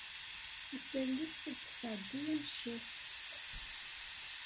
Ad tales ad d-tesɛeddi aneccaf.